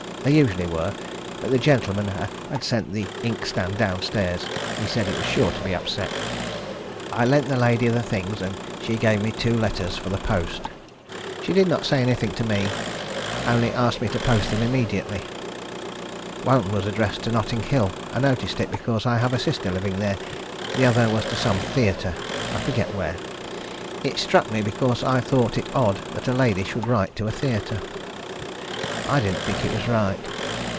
There usually were, but the gentleman had sent the inkstand downstairs. He said it was sure to be upset. I lent the lady the things, and she gave me two letters for the post. She did not say anything to me; only asked me to post them immediately. One was addressed to Notting Hill. I noticed that because I have a sister living there; the other was to some theatre. I forget where. It struck me, because I thought it odd that a lady should write to a theatre. I didn't think it was right.